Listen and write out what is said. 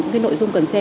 cái nội dung cần xem